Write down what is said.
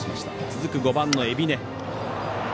続く５番の海老根。